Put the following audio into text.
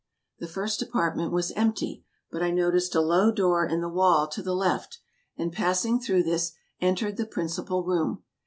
The first apartment was empty, but I noticed a low door in the wall to the left, and passing through this, entered the principal room.